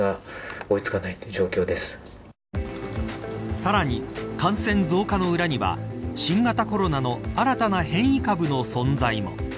さらに感染増加の裏には新型コロナの新たな変異株の存在も。